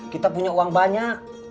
kita punya uang banyak